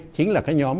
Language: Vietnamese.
chính là cái nhóm